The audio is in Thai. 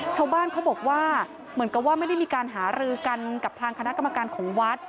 ชาวบ้านเขาบอกว่าเหมือนกับว่าไม่ได้มีการหารือกันกับทางคณะกรรมการของวัด